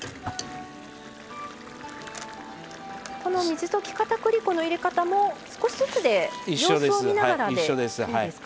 この水溶き片栗粉の入れ方も少しずつで様子を見ながらでいいですか？